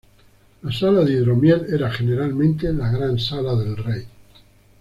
La sala de hidromiel era generalmente la gran sala del rey.